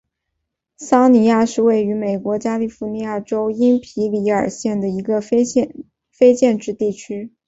桑迪亚是位于美国加利福尼亚州因皮里尔县的一个非建制地区。